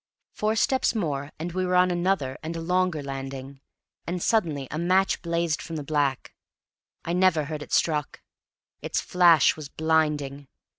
Four steps more, and we were on another and a longer landing, and suddenly a match blazed from the black. I never heard it struck. Its flash was blinding.